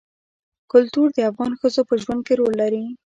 کلتور د افغان ښځو په ژوند کې رول لري.